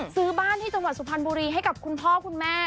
ซื้อบ้านที่จังหวัดสุพรรณบุรีให้กับคุณพ่อคุณแม่